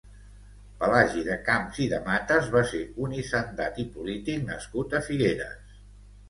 Pelagi de Camps i de Matas va ser un hisendat i polític nascut a Figueres.